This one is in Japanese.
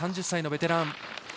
３０歳のベテラン。